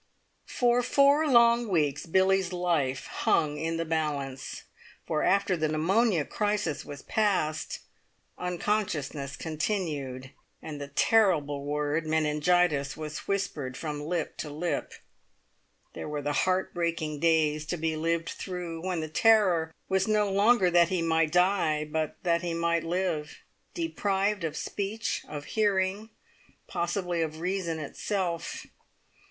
For four long weeks Billie's life hung in the balance, for after the pneumonia crisis was passed, unconsciousness continued, and the terrible word "meningitis" was whispered from lip to lip. There were heart breaking days to be lived through, when the terror was no longer that he might die, but that he might live deprived of speech, of hearing, possibly of reason itself.